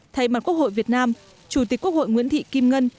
thay mặt quốc hội việt nam chủ tịch quốc hội nguyễn thị kim ngân